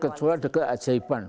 kecuali dekat ajaib pan